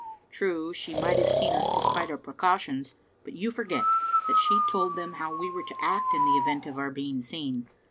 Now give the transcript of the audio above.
True, she might have seen us despite our precautions, but you forget that she told them how we were to act in the event of our being seen.